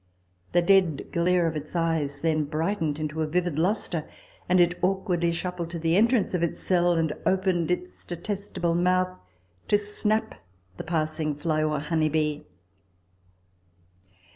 The dead glare of its eyes then brightened into a vivid lustre, and it awk wardly shuffled to the entrance of its cell, and opened its detestable mouth to snap the passing fly or honey bee.